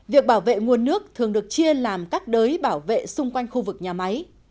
việc bảo vệ nguồn nước thường được chia làm các đới bảo vệ xung quanh khu vực nhà máy